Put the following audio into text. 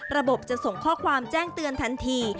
ระบบจะส่งข้อความแจ้งเตือนทันที